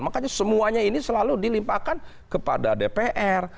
makanya semuanya ini selalu dilimpahkan kepada dpr